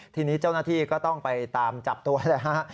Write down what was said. ทีนี้เจ้าหน้าที่ก็ต้องไปตามจับตัวเลยฮะ